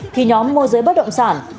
thì nhóm môi giới bất động sản